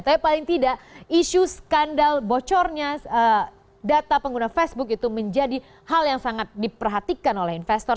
tapi paling tidak isu skandal bocornya data pengguna facebook itu menjadi hal yang sangat diperhatikan oleh investor